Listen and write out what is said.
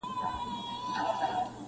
• له کماله یې خواږه انګور ترخه کړه,